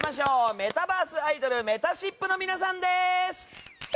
メタバースアイドルめたしっぷの皆さんです。